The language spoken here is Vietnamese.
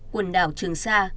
quần đảo trường sa